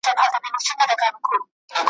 د ښو څخه ښه زېږي د بدو څخه واښه ,